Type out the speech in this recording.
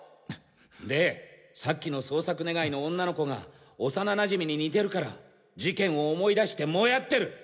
んでさっきの捜索願の女の子が幼なじみに似てるから事件を思い出してモヤってる。